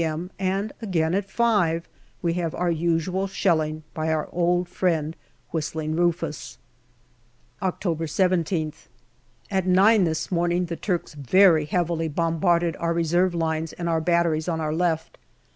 m., and again at five, we have our usual shelling by our old friend " Whistling Rufus." October 17th. At nine this morning the Turks very heavily bombarded our reserve lines and our batteries on our left.